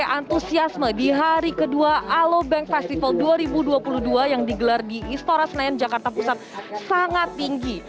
antusiasme di hari kedua alobank festival dua ribu dua puluh dua yang digelar di istora senayan jakarta pusat sangat tinggi